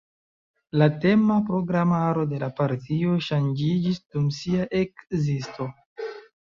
La tema programaro de la partio ŝanĝiĝis dum sia ekzisto.